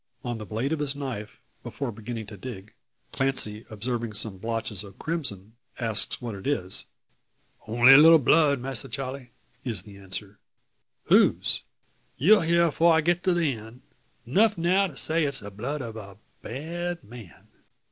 On the blade of his knife, before beginning to dig, Clancy observing some blotches of crimson, asks what it is. "Only a little blood, Masser Charle," is the answer. "Whose?" "You'll hear afore I get to the end. Nuf now to say it's the blood of a bad man."